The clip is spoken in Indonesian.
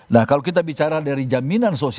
nah kalau kita bicara dari jaminan sosial